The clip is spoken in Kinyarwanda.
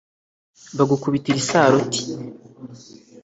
bagukubitira isaruti